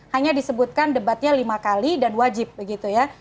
hanya disebutkan debatnya lima kali dan wajib begitu ya